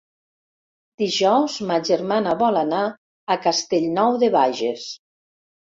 Dijous ma germana vol anar a Castellnou de Bages.